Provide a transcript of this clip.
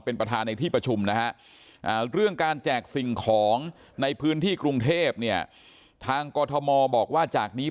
เป็นประธานในที่ประชุมนะฮะเรื่องการแจกสิ่งของในพื้นที่กรุงเทพเนี่ยทางกรทมบอกว่าจากนี้